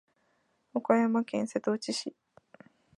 岡山県瀬戸内市